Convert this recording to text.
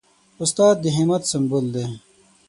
استاد د همت سمبول دی.